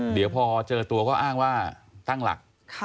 เดี๋ยวพอเจอตัวก็อ้างว่าตั้งหลัก